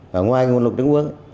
và ngoài nguồn lực trung quốc